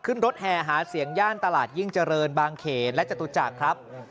ขึ้นรถแห่หาเสียงย่านตลาดยิ่งเจริญบางเขนและจตุจักรครับ